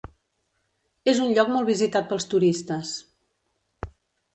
És un lloc molt visitat pels turistes.